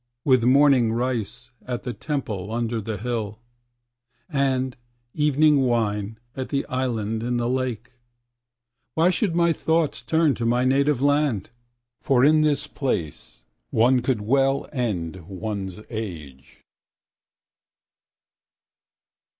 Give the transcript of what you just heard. With morning rice at the temple under the hill, And evening wine at the island in the lake ... Why should my thoughts turn to my native land? For in this place one could well end one's age.